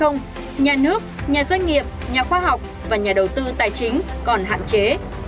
nhà nước nhà doanh nghiệp nhà khoa học và nhà đầu tư tài chính còn hạn chế